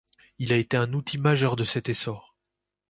Il a été un outil majeur de cet essor.